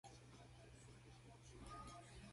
Màa nèn ndù’ nà.